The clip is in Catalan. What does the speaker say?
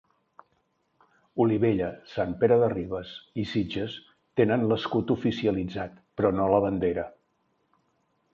Olivella, Sant Pere de Ribes i Sitges tenen l'escut oficialitzat però no la bandera.